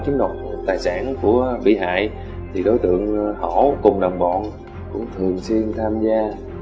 chính đồng tài sản của bị hại thì đối tượng hổ cùng đồng bọn cũng thường xuyên tham gia